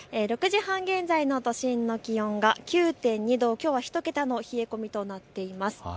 ６時半現在の都心の気温は９．２度、きょうは１桁の冷え込みとなっています。